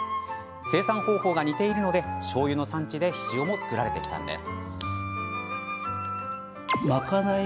生産方法が似ているのでしょうゆの産地でひしおを造られてきたんです。